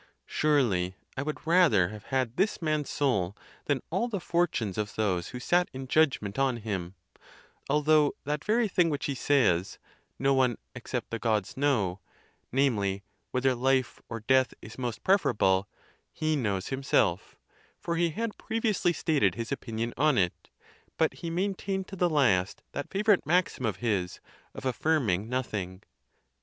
Surely I would rather have had this man's soul than all the fortunes of those who sat in judgment on him; although that very thing which he says no one ex cept the Gods know, namely, whether life or death is most preferable, he knows himself, for he had previously stated his opinion on it; but he maintained to the last that fa vorite maxim of his, of affirming nothing.